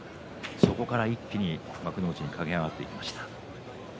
そこから一気に幕内に駆け上がってきました。